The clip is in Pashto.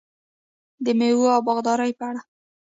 د میوو او باغدارۍ په اړه: